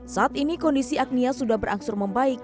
saat ini kondisi agnia sudah berangsur membaik